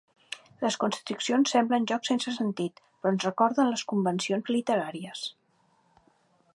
Les constriccions semblen jocs sense sentit, però ens recorden les convencions literàries.